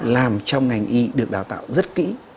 làm trong ngành y được đào tạo rất kỹ